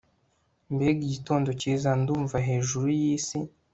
mbega igitondo cyiza! ndumva hejuru yisi